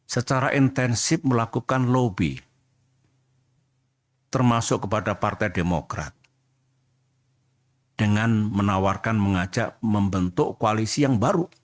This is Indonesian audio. secara intensif melakukan lobby termasuk kepada partai demokrat dengan menawarkan mengajak membentuk koalisi yang baru